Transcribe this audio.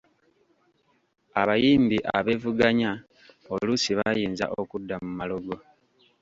Abayimbi abeevuganya oluusi bayinza okudda mu malogo.